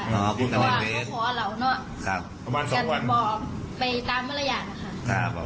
บอกในเฟซเหรอคะบอกเขาขอเหล้าเนอะกันบอกไปตามมารยาทนะคะ